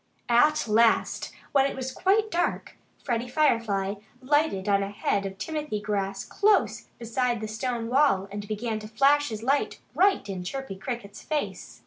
At last, when it was quite dark, Freddie Firefly lighted on a head of timothy grass close beside the stone wall and began to flash his light right in Chirpy Cricket's face.